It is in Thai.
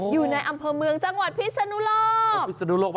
อยู่ในอำเภอเมืองจังหวัดพิศนุโลก